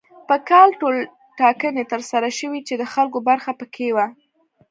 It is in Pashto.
په کال ټولټاکنې تر سره شوې چې د خلکو برخه پکې وه.